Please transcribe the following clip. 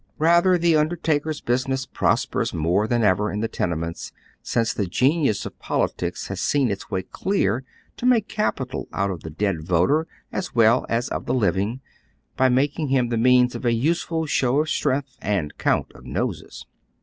Rather, the undertaker's business prospers more than ever in the tenements since the genius of polities has seen its way clear to make capi tal out of the dead voter as well as of the living, by making him the means of a useful " show of strength " and count of noses.